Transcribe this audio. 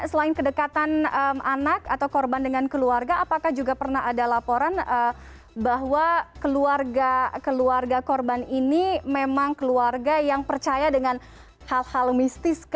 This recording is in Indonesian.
selain kedekatan anak atau korban dengan keluarga apakah juga pernah ada laporan bahwa keluarga korban ini memang keluarga yang percaya dengan hal hal mistis